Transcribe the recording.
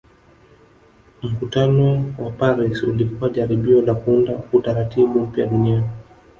Mkutano wa Paris ulikuwa jaribio la kuunda Utaratibu mpya duniani